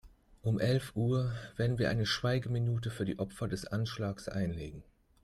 Um elf Uhr werden wir eine Schweigeminute für die Opfer des Anschlags einlegen.